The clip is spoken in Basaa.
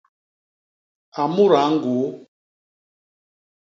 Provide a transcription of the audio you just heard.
A mudaa ñguu!